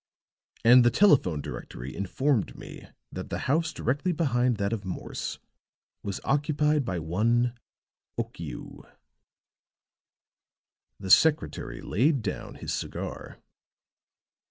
And the telephone directory informed me that the house directly behind that of Morse was occupied by one Okiu." The secretary laid down his cigar.